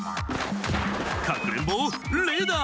かくれんぼレーダー！